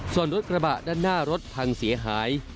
ส่วนรถกระบะด้านหน้ารถพังเสียหาย